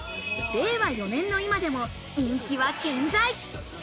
令和４年の今でも人気は健在。